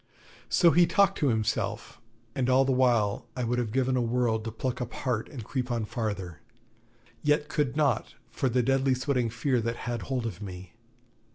So he talked to himself, and all the while I would have given a world to pluck up heart and creep on farther; yet could not, for the deadly sweating fear that had hold of me.